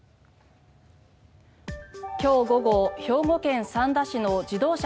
今日午後兵庫県三田市の自動車